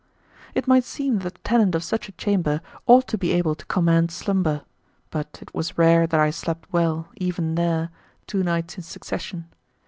It might seem that the tenant of such a chamber ought to be able to command slumber, but it was rare that I slept well, even there, two nights in succession.